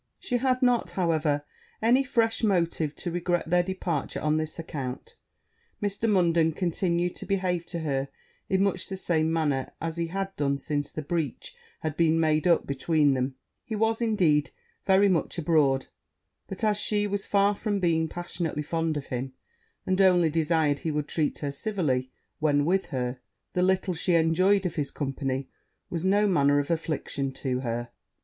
She had not, however, any fresh motive to regret their departure on this account; Mr. Munden continued to behave to her in much the same manner as he had done since the breach had been made up between them: he was, indeed, very much abroad; but as she was far from being passionately fond of him, and only desired he would treat her with civility when with her, the little she enjoyed of his company was no manner of affliction to her.